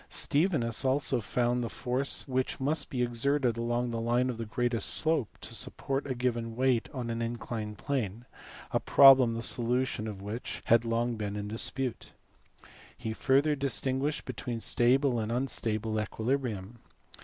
Stevinus also found the force which must be exerted along the line of greatest slope to support a given weight on an inclined plane a problem the solution of which had been long in dispute. He further distinguished between stable and unstable equilibrium.